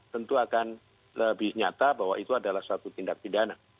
tentu akan lebih nyata bahwa itu adalah suatu tindak pidana